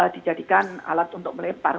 dijadikan alat untuk melempar